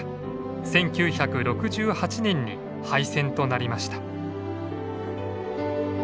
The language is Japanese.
１９６８年に廃線となりました。